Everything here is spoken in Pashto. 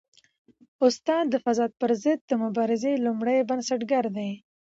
استاد د فساد پر ضد د مبارزې لومړی بنسټګر دی.